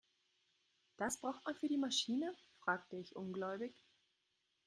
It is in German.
"Das braucht man für die Maschine?", fragte ich ungläubig.